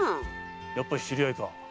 やっぱり知り合いか？